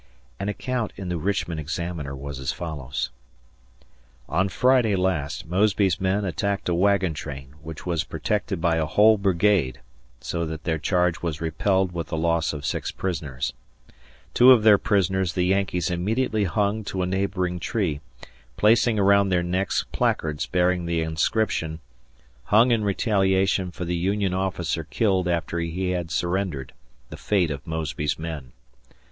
An account in the Richmond Examiner was as follows: On Friday last Mosby's men attacked a wagon train, which was protected by a whole brigade, so that their charge was repelled with the loss of six prisoners. Two of their prisoners the Yankees immediately hung to a neighboring tree, placing around their necks placards bearing the inscription, 'Hung in retaliation for the Union officer killed after he had surrendered the fate of Mosby's men.'